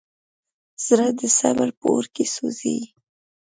زړه د صبر په اور کې سوځي.